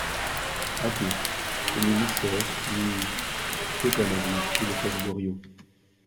Adieu, je n'ai ni sœur, ni … Tais-toi, Nasie ! cria le père Goriot.